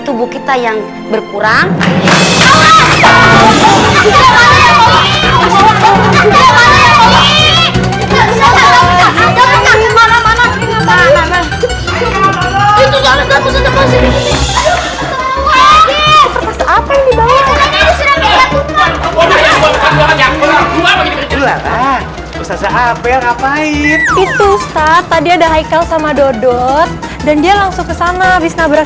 tubuh kita yang berkurang itu tadi ada haikal sama dodot dan dia langsung kesana habis nabrak